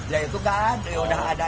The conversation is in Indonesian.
dia itu kan dia udah ada